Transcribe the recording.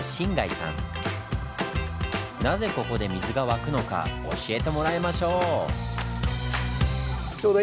なぜここで水が湧くのか教えてもらいましょう！